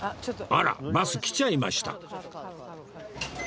あらバス来ちゃいました